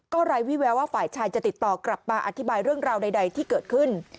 ไร้วิแววว่าฝ่ายชายจะติดต่อกลับมาอธิบายเรื่องราวใดที่เกิดขึ้น